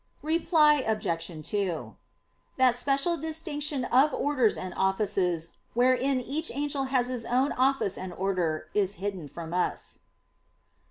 Reply Obj. 2: That special distinction of orders and offices wherein each angel has his own office and order, is hidden from us.